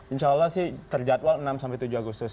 insya allah sih terjadwal enam sampai tujuh agustus